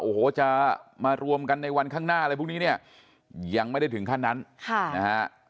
โอ้โหจะมารวมกันในวันข้างหน้าอะไรพวกนี้เนี่ยยังไม่ได้ถึงขั้นนั้นค่ะนะฮะ